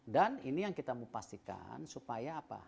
dan ini yang kita mau pastikan supaya apa